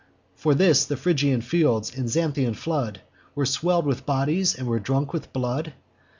For this the Phrygian fields and Xanthian flood Were swell'd with bodies, and were drunk with blood?